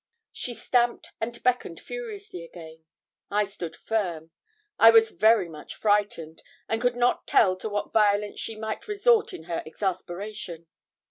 She stamped and beckoned furiously again. I stood firm. I was very much frightened, and could not tell to what violence she might resort in her exasperation.